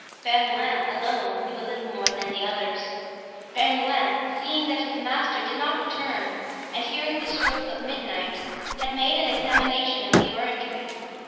Bernouin alone knew a little more than the others. Bernouin, seeing that his master did not return and hearing the stroke of midnight, had made an examination of the orangery.